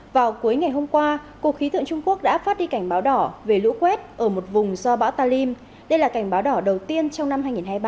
vào cuối ngày hôm qua cục khí tượng trung quốc đã phát đi cảnh báo đỏ về lũ quét ở một vùng do bão talim đây là cảnh báo đỏ đầu tiên trong năm hai nghìn hai mươi ba